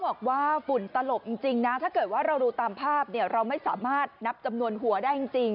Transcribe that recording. เอาถงในเอาถงใส่หน่ำแข็งปล่อยใส่ก้น